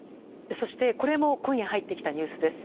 そしてこれも今夜入ってきたニュースです。